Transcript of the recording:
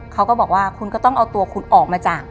เขาก็บอกว่าคุณก็ต้องเอาตัวคุณออกมาจาก